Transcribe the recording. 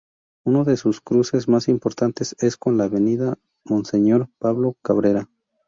Uno de sus cruces más importantes es con la avenida Monseñor Pablo Cabrera.